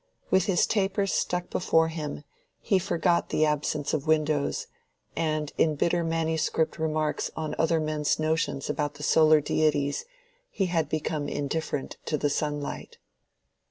With his taper stuck before him he forgot the absence of windows, and in bitter manuscript remarks on other men's notions about the solar deities, he had become indifferent to the sunlight.